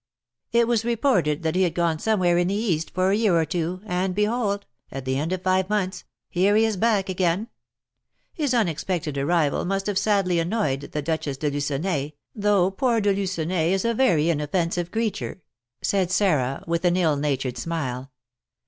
"It was reported that he had gone somewhere in the East for a year or two, and behold, at the end of five months, here he is back again! His unexpected arrival must have sadly annoyed the Duchess de Lucenay, though poor De Lucenay is a very inoffensive creature," said Sarah, with an ill natured smile.